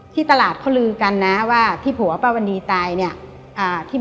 ที่ตลาดเขาลือกันนะว่าที่ผัวป้าวันนี้ตายเนี่ย